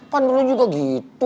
pandu lu juga gitu